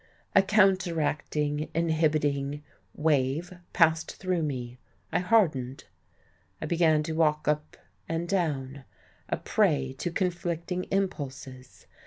A counteracting, inhibiting wave passed through me. I hardened. I began to walk up and down, a prey to conflicting impulses.